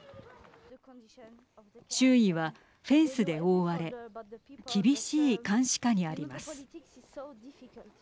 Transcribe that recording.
周囲は、フェンスで覆われ厳しい監視下にあります。